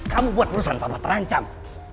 kamu buat perusahaan papa terancam